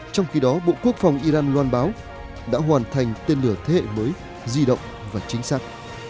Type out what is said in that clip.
trong khi đó bộ quốc phòng iran loan báo đã hoàn thành tên lửa thế hệ mới di động và chính xác